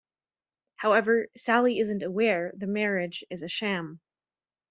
However, Sally isn't aware the marriage is a sham.